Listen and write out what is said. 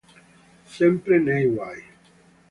Sempre nei guai